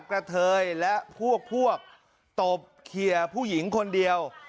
กระเทยและพวกตบเขียผู้หญิงคนเดียว